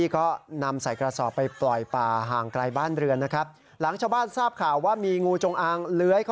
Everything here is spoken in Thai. ก็เลยไปสอดส่องหาตัวเล็ก